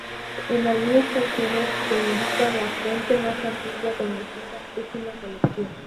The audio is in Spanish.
En algunas canciones se indica la fuente más antigua conocida es una colección.